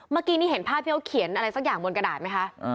เมื่อกี้เห็นภาพแขนอะไรสักอย่างบนกระดาษไหมคะ